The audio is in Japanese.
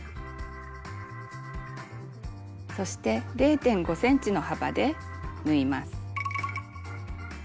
そして０．５ｃｍの幅で縫います。